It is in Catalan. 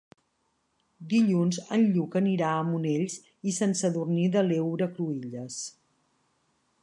Dilluns en Lluc anirà a Monells i Sant Sadurní de l'Heura Cruïlles.